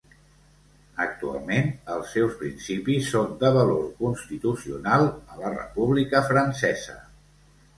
Actualment, els seus principis són de valor constitucional a la República Francesa.